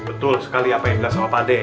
betul sekali apa yang bilang sama pak d